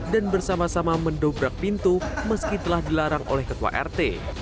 dan bersama sama mendobrak pintu meski telah dilarang oleh ketua rt